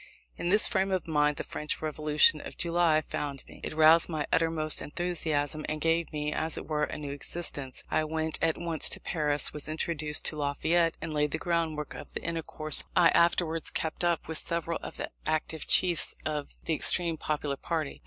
In this frame of mind the French Revolution of July found me: It roused my utmost enthusiasm, and gave me, as it were, a new existence. I went at once to Paris, was introduced to Lafayette, and laid the groundwork of the intercourse I afterwards kept up with several of the active chiefs of the extreme popular party.